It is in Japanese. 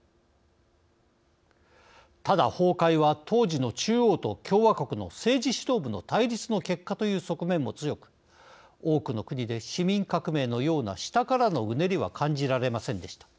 ただ崩壊は、当時の中央と共和国の政治指導部の対立の結果という側面も強く多くの国で市民革命のような下からのうねりは感じられませんでした。